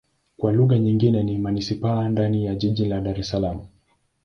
Kwa lugha nyingine ni manisipaa ndani ya jiji la Dar Es Salaam.